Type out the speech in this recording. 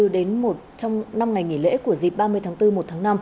đến năm ngày nghỉ lễ của dịp ba mươi tháng bốn một tháng năm